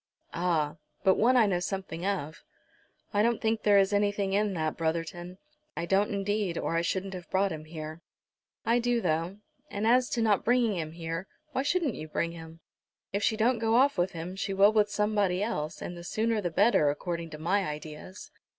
"Ah, but one I know something of." "I don't think there is anything in that, Brotherton; I don't, indeed, or I shouldn't have brought him here." "I do, though. And as to not bringing him here, why shouldn't you bring him? If she don't go off with him, she will with somebody else, and the sooner the better, according to my ideas."